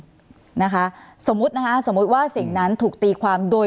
นะคะสมมุตินะคะสมมุติว่าสิ่งนั้นถูกตีความโดย